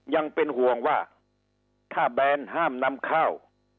ยังเป็นห่วงว่าถ้าแบรนด์ห้ามนำข้าว